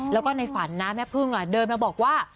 แล้วก็ในฝันนะแม่พึ่งเดินมาบอกว่า